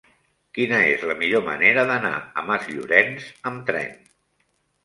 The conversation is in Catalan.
Quina és la millor manera d'anar a Masllorenç amb tren?